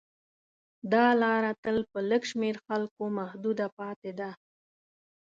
دا لاره تل په لږ شمېر خلکو محدوده پاتې ده.